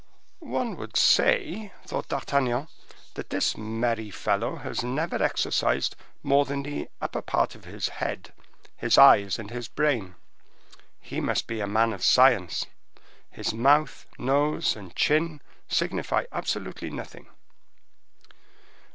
"One would say," thought D'Artagnan, "that this merry fellow has never exercised more than the upper part of his head, his eyes, and his brain. He must be a man of science: his mouth, nose, and chin signify absolutely nothing."